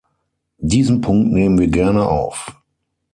Diesen Punkt nehmen wir gerne auf.